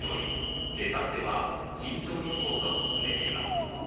「警察では慎重に捜査を進めています」